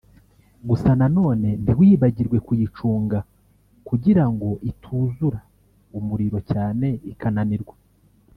gusa na none ntiwibagirwe kuyicunga kugirango ituzura umuriro cyane ikananirwa